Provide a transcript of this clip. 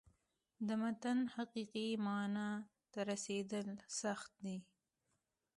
د متن حقیقي معنا ته رسېدل سخت دي.